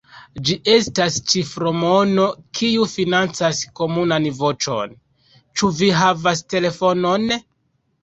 Ĝi estas ĉifromono kiu financas Komunan Voĉon. Ĉu vi havas telefonon?